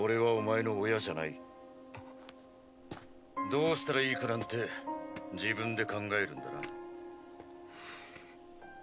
どうしたらいいかなんて自分で考えるんだな。